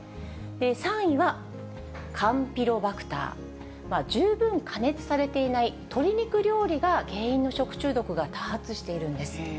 ３位はカンピロバクター、十分加熱されていない鶏肉料理が原因の食中毒が多発しているんです。